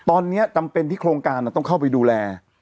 ตอนนี้จำเป็นที่โครงการต้องเข้าไปดูแล